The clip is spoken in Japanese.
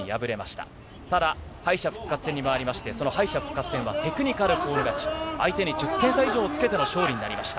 ただ、敗者復活戦に回りまして、その敗者復活戦はテクニカルフォール勝ち、相手に１０点差以上つけての勝利になりました。